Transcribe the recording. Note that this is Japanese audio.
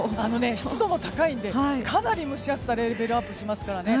湿度も高いのでかなり蒸し暑さがレベルアップしますからね。